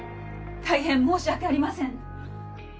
大変申し訳ありません！